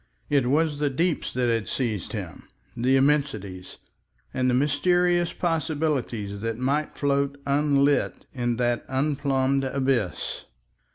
It was the deeps that had seized him, the immensities, and the mysterious possibilities that might float unlit in that unplumbed abyss.